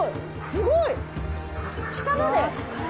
すごい！下まで！